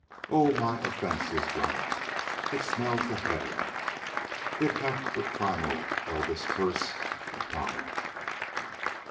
Oh, my offence is rank, it smells to heav'n: It hath the primal eldest curse upon 't!